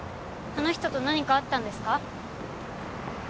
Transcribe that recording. あの人と何かあったんですか？